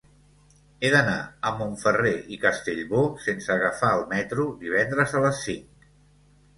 He d'anar a Montferrer i Castellbò sense agafar el metro divendres a les cinc.